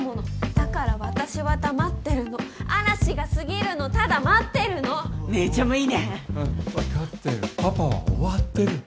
だから私は黙ってるの嵐が過ぎるのただ待ってるの姉ちゃんもいいね！分かってるパパは終わってる